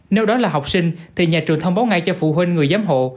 nếu đó là học sinh thì nhà trường thông báo ngay cho phụ huynh người giám hộ